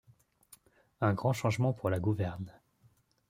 Un grand changement pour la gouverne.